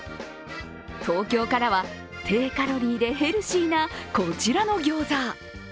東京からは低カロリーでヘルシーな、こちらの餃子。